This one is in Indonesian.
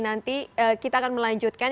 nanti kita akan melanjutkan